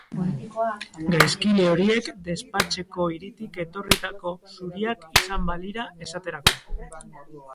Gaizkile horiek Despatch-eko hiritik etorritako zuriak izan balira, esaterako.